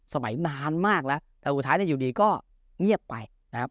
สมัยนานมากแล้วแต่สุดท้ายอยู่ดีก็เงียบไปนะครับ